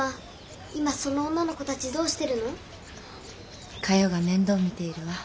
今その女の子たちどうしてるの？かよが面倒を見ているわ。